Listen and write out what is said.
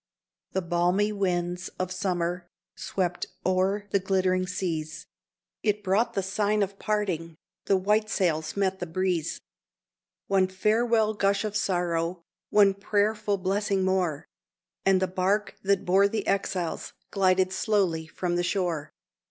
The balmy winds of summer swept o'er the glittering seas; It brought the sign of parting the white sails met the breeze; One farewell gush of sorrow, one prayerful blessing more, And the bark that bore the exiles glided slowly from the shore.